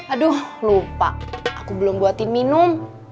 aduh lupa aku belum buatin minum